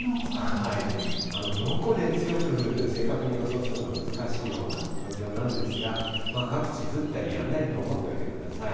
どこで強く降るというの、正確に予想するのが難しいような状況なんですが、各地降ったりやんだりと思っておいてください。